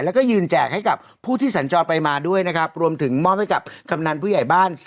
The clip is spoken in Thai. แล้วก็ยืนแจกให้กับผู้ที่สัญจรไปมาด้วยนะครับรวมถึงมอบให้กับกำนันผู้ใหญ่บ้าน